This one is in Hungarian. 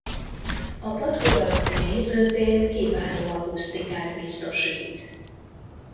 A patkó alakú nézőtér kiváló akusztikát biztosít.